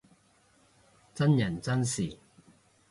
真人真事